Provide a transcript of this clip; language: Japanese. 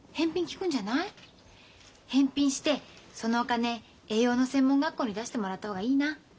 返品してそのお金栄養の専門学校に出してもらった方がいいな。